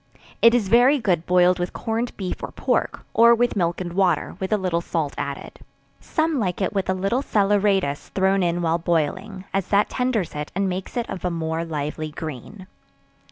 It is very good boiled with corned beef or pork, or with milk and water, with a little salt added. Some like it with a little salaeratus thrown in while boiling, as that tenders it and makes it of a more lively green.